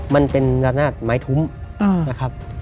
มันเป็นระนาดไม้ทุ้มนะครับ